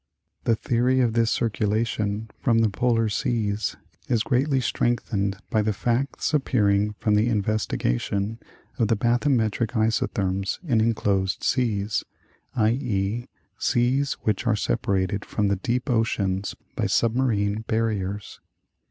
14T The theory of this circulation from the Polar seas is greatly strengthened by the facts appearing from the investigation of the bathymetric isotherms in inclosed seas, i. e., seas which are separated from the deep oceans by submarine barriers.